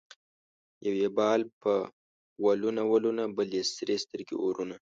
یو یې بال په ولونه ولونه ـ بل یې سرې سترګې اورونه